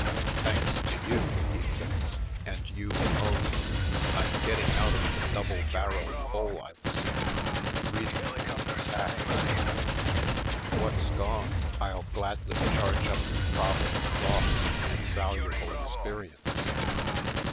Thanks to you," he says, "and you alone, I'm getting out of the double barreled hole I was irv, reasonably intact. What's gone I'll gladly charge up to profit and loss and valuable experience.